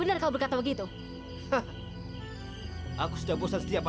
dan selamatkan suci